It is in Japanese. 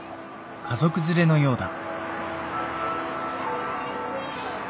家族連れのようだ。